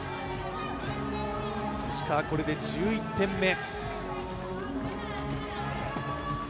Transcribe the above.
石川、これで１１点目。